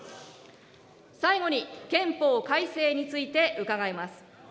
最後に、憲法改正について伺います。